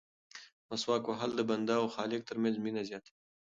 مسواک وهل د بنده او خالق ترمنځ مینه زیاتوي.